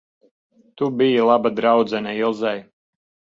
Tu biji laba draudzene Ilzei.